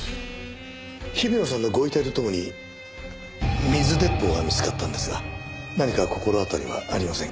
日比野さんのご遺体と共に水鉄砲が見つかったんですが何か心当たりはありませんか？